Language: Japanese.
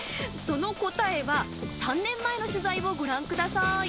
その答えは、３年前の取材をご覧ください。